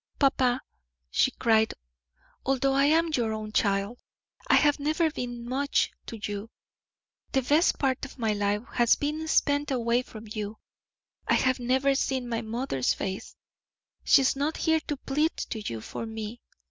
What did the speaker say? "Papa," she cried, "although I am your own child, I have never been much to you; the best part of my life has been spent away from you; I have never seen my mother's face; she is not here to plead to you for me.